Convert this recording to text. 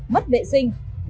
mất vệ sinh